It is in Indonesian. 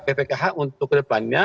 bpkh untuk ke depannya